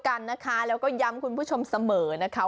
กันนะคะแล้วก็ย้ำคุณผู้ชมเสมอนะคะ